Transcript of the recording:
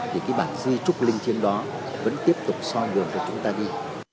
thì cái bản di trúc linh thiên đó vẫn tiếp tục so nhường cho chúng ta đi